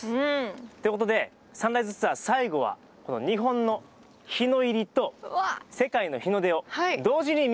ってことで「サンライズツアー」最後はこの日本の日の入りと世界の日の出を同時に見ようじゃないかということで。